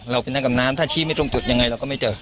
ไปนั่งกับน้ำถ้าชี้ไม่ตรงจุดยังไงเราก็ไม่เจอ